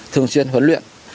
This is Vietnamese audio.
thường xuyên huấn luyện